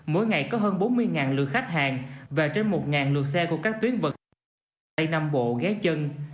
mỗi ngày có hơn bốn mươi lượt khách hàng và trên một lượt xe của các tuyến vận tây nam bộ ghé chân